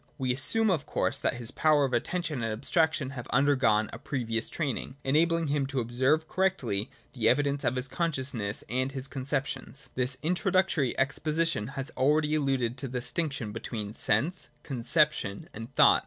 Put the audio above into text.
We assume of course that his powers of attention and abstraction have undergone a previous training, enabling him to observe correctly the evidence of his consciousness and his con ceptions. This introductory exposition has already alluded to the distinction between Sense, Conception, and Thought.